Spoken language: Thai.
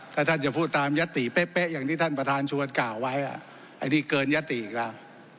ถ้าท่านจะพูดตามยติเป๊ะอย่างที่ท่านประธานชวนกล่าวไว้อันนี้เกินยติอีกแล้ว